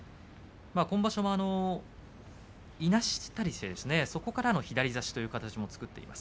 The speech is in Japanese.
今場所いなしたりしてそこからの左差しという形も作っています。